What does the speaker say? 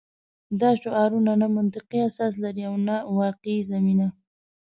دا شعارونه نه منطقي اساس لري او نه واقعي زمینه